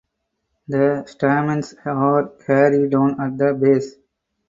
The stamens are hairy down at the base.